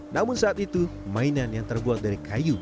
namun saat itu mainan yang terbuat dari kayu